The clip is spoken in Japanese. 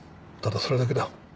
ただそれだけだ。